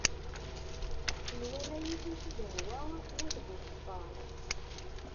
Nwan ad iyi-tif Zehwa n At Buseṭṭa.